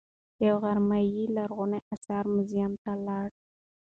یوه غرمه یې لرغونو اثارو موزیم ته لاړ.